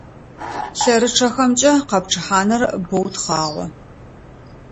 ЛъэрычъэхэмкӀэ къэпчъыхьаныр боу тхъагъо.